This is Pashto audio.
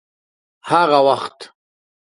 هغه وخت